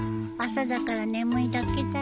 朝だから眠いだけだよ。